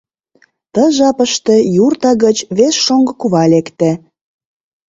Тиде жапыште юрта гыч вес шоҥго кува лекте.